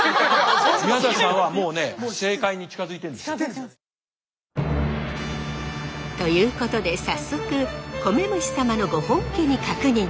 宮崎さんはもうね正解に近づいてんですよ。ということで早速米虫様のご本家に確認。